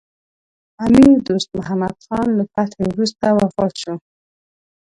امیر دوست محمد خان له فتحې وروسته وفات شو.